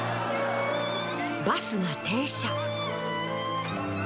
バスが停車。